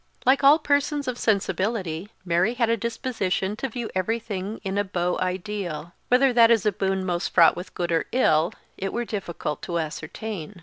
Like all persons of sensibility, Mary had a disposition to view everything in a beau ideal: whether that is a boon most fraught with good or ill it were difficult to ascertain.